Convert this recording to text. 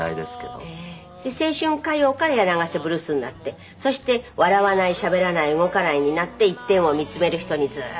青春歌謡から『柳ヶ瀬ブルース』になってそして笑わないしゃべらない動かないになって一点を見つめる人にずーっとなって